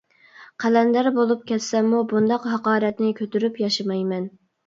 قەلەندەر بولۇپ كەتسەممۇ بۇنداق ھاقارەتنى كۆتۈرۈپ ياشىمايمەن.